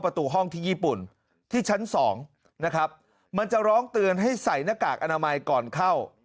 ประตูห้องที่ญี่ปุ่นที่ชั้นสองนะครับมันจะร้องเตือนให้ใส่หน้ากากอนามัยก่อนเข้า